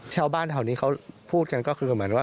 ชาวบ้านแถวนี้เขาพูดกันก็คือเหมือนว่า